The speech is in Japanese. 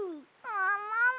ももも！